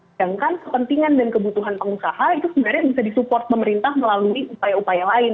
sedangkan kepentingan dan kebutuhan pengusaha itu sebenarnya bisa disupport pemerintah melalui upaya upaya lain